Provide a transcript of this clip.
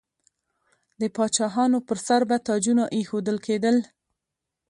د پاچاهانو پر سر به تاجونه ایښودل کیدل.